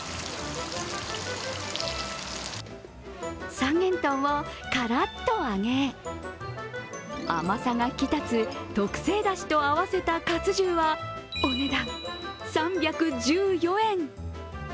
三元豚をからっと揚げ、甘さが引き立つ特製だしと合わせたかつ重はお値段３１４円。